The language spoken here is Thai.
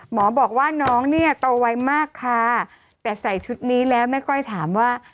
หมอบอกว่าน้องเนี่ยโตไวมากค่ะแต่ใส่ชุดนี้แล้วไม่ค่อยถามว่า